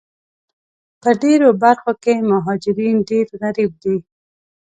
په ډېرو برخو کې مهاجرین ډېر غریب دي